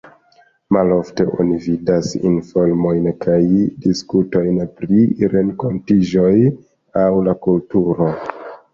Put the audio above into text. Malofte oni vidas informojn kaj diskutojn pri renkontiĝoj aŭ la kulturo.